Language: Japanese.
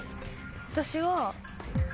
私は。